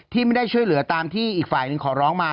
ที่ไม่ได้ช่วยเหลือตามที่อีกฝ่ายหนึ่งขอร้องมา